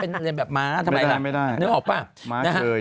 เป็นแบบม้าทำไมล่ะไม่ได้ไม่ได้นึกออกป่ะม้าเกย์นะฮะ